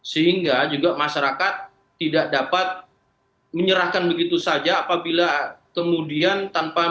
sehingga juga masyarakat tidak dapat menyerahkan begitu saja apabila kemudian tanpa